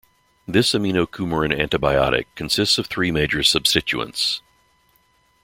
This aminocoumarin antibiotic consists of three major substituents.